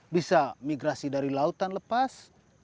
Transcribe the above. bisa migrasi dari lautan lepas